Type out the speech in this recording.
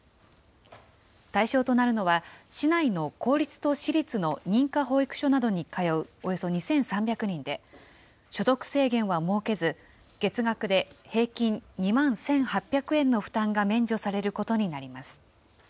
対象となるのは、市内の公立と私立の認可保育所などに通うおよそ２３００人で、所得制限は設けず、月額で平均２万１８００円の負担が免除されることになります。